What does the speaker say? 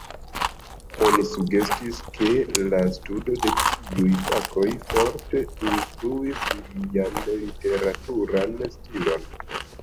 Oni sugestis ke la studo de tiuj fakoj forte influis lian literaturan stilon.